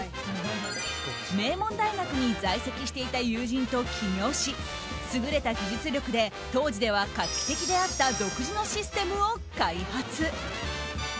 名門大学に在籍していた友人と起業し優れた技術力で当時では画期的であった独自のシステムを開発。